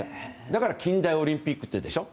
だから近代オリンピックでしょ。